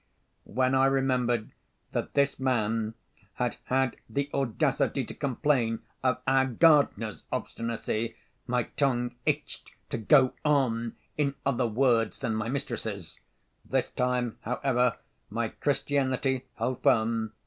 When I remembered that this man had had the audacity to complain of our gardener's obstinacy, my tongue itched to "go on" in other words than my mistress's. This time, however, my Christianity held firm.